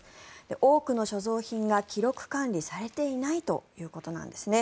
多くの所蔵品が記録管理されていないということなんですね。